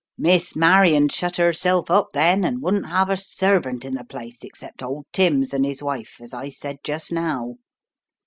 Miss Marion shut herself up then, and wouldn't 'ave a servant in the place except old Timms and his wife, as I said just now.